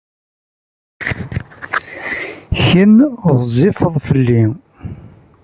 Kemm ɣezzifed fell-i.